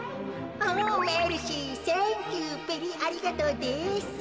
おメルシーサンキューベリーありがとうです。